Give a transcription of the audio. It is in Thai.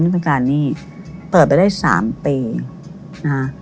อันฑันฐานนี้เปิดไปได้สามปีนะ